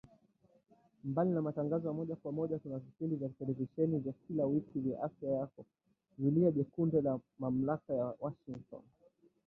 Mbali na matangazo ya moja kwa moja tuna vipindi vya televisheni vya kila wiki vya Afya Yako, Zulia Jekundu na mamlaka ya Washingoton